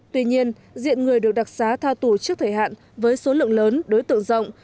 tuy nhiên diện người được đặc xá tha tù trước thời hạn với số lượng lớn đối tượng rộng